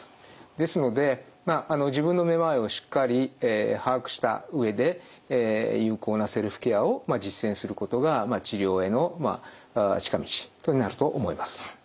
ですので自分のめまいをしっかり把握した上で有効なセルフケアを実践することが治療への近道となると思います。